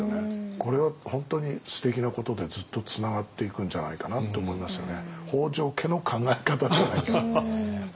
これは本当にすてきなことでずっとつながっていくんじゃないかなと思いますよね。